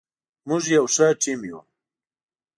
موږ یو ښه ټیم یو.